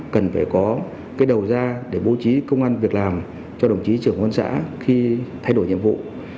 cần phải có cái đầu ra để bố trí công an việc làm cho đồng chí trưởng quan xã khi thay đổi nhiệm vụ